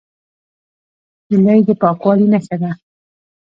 هیلۍ د پاکوالي نښه ده